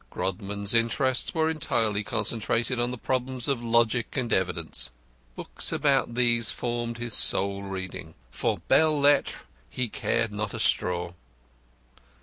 Grodman's interests were entirely concentrated on the problems of logic and evidence. Books about these formed his sole reading; for belles lettres he cared not a straw.